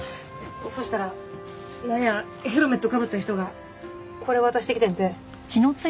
そしたらなんやヘルメットかぶった人がこれ渡してきてんて。